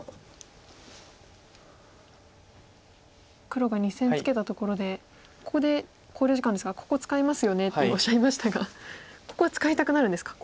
黒が２線ツケたところでここで考慮時間ですが「ここ使いますよね」っておっしゃいましたがここは使いたくなるんですか。